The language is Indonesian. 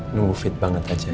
nunggu fit banget aja ya